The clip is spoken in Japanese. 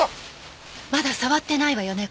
まだ触ってないわよね？